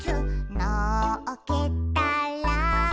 「のっけたら」